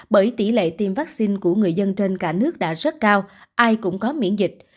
bởi tỷ lệ tiêm vaccine của người dân trên cả nước đã rất cao ai cũng có miễn dịch